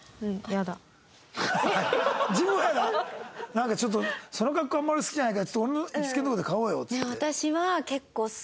「なんかちょっとその格好はあんまり好きじゃないからちょっと俺の好きなとこで買おうよ」っつって。